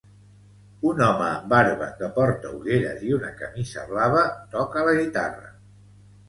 Un home amb barba que porta ulleres i una camisa blava toca la guitarra.